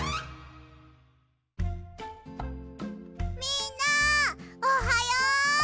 みんなおはよう！